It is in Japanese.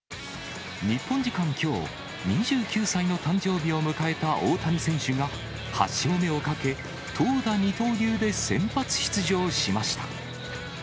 日本時間きょう、２９歳の誕生日を迎えた大谷選手が、８勝目をかけ、投打二刀流で先発出場しました。